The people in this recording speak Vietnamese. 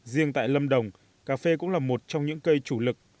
riêng tại lâm đồng cà phê cũng là một trong những cây chủ lực